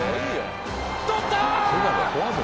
取った！